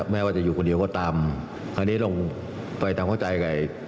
ไม่ว่าจะอยู่คนเดียวก็ตามคราวนี้ลงไปตามเข้าใจกับ